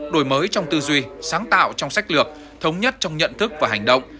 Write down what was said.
đổi mới trong tư duy sáng tạo trong sách lược thống nhất trong nhận thức và hành động